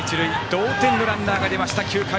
同点のランナーがでました。